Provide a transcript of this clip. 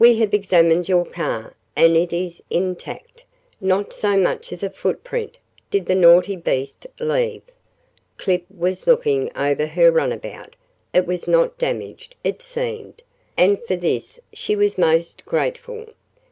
We have examined your car, and it is intact not so much as a footprint did the naughty beast leave." Clip was looking over her runabout. It was not damaged, it seemed, and for this she was most grateful.